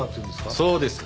そうです。